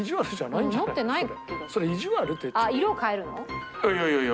いやいやいや。